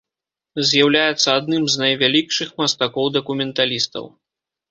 З'яўляецца адным з найвялікшых мастакоў-дакументалістаў.